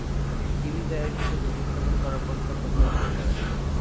TV variety শোতে উপস্থাপন করার প্রস্তাব প্রত্যাখ্যান করেন।